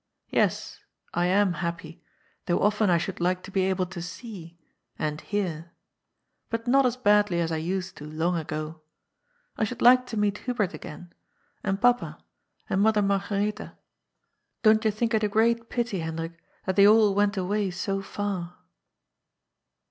Yes, I am happy, though often I should like to be able to see r and hearr But not as badly as I used to long ago. I should like to meet Hubert again, and papa, and Mother Marga retha. Don't you think it a great pity, Hendrik, that they all went away so f ar